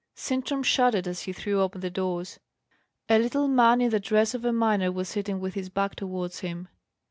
Sintram shuddered as he threw open the doors. A little man in the dress of a miner was sitting with his back towards him.